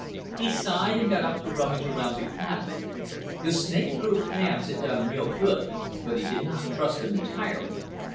He sighed and got up to rummage around the cabin. The snakeproof pants had done real good, but he did not trust them entirely.